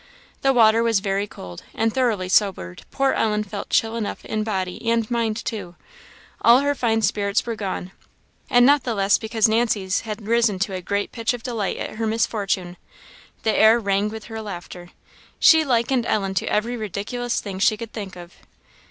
The water was very cold; and thoroughly sobered, poor Ellen felt chill enough in body and mind too; all her fine spirits were gone; and not the less because Nancy's had risen to a great pitch of delight at her misfortune. The air rang with her laughter; she likened Ellen to every ridiculous thing she could think of.